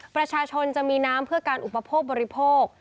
ประชาชนจะมีน้ำเพื่อการอุปโภคบริโภค